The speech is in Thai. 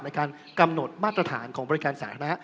ในการกำหนดมาตรฐานของบริการสาธารณะ